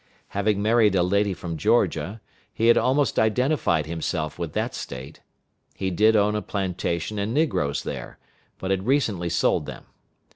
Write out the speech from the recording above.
Having married a lady from Georgia, he had almost identified himself with that State. He did own a plantation and negroes there, but had recently sold them.